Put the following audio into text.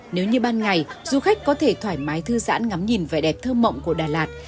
nếu như ban ngày du khách có thể thoải mái thư giãn ngắm nhìn vẻ đẹp thơ mộng của đà lạt